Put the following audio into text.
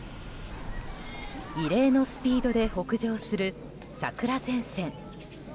異例のスピードで北上する桜前線。